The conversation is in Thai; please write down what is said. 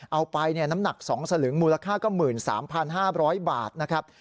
เอาไปน้ำหนัก๒สลึงมูลค่าก็๑๓๕๐๐บาทนะครับ